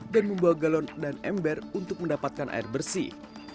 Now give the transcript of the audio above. dan membawa galon dan ember untuk mendapatkan air bersih